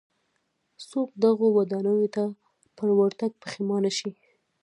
څوک دغو ودانیو ته پر ورتګ پښېمانه شي.